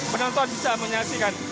penonton bisa menyaksikan